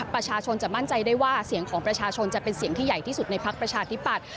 ประชาชนจะมั่นใจได้ว่าเสียงของประชาชนจะเป็นเสียงที่ใหญ่ที่สุดในพักประชาธิปัตย